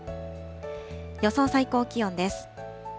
予想最高気温です。